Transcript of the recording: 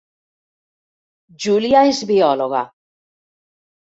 Júlia és biòloga